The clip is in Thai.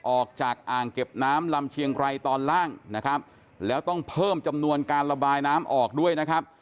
อ่างเก็บน้ำลำเชียงไกรตอนล่างนะครับแล้วต้องเพิ่มจำนวนการระบายน้ำออกด้วยนะครับ